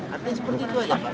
artinya seperti itu aja pak